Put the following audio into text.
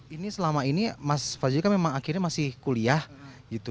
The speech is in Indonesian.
ini selama ini mas fajri kan memang akhirnya masih kuliah gitu